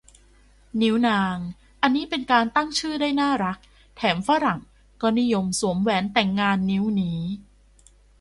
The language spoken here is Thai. นิ้วนาง อันนี้เป็นการตั้งชื่อได้น่ารัก แถมฝรั่งก็นิยมสวมแหวนแต่งงานนิ้วนี้